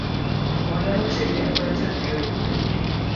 মনে হচ্ছে টেম্পারেচার দুই-এর উপরে।